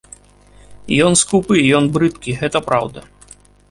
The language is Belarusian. Ён скупы, ён брыдкі, гэта праўда.